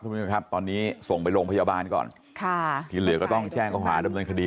คุณผู้ชมครับตอนนี้ส่งไปโรงพยาบาลก่อนค่ะที่เหลือก็ต้องแจ้งเขาหาดำเนินคดี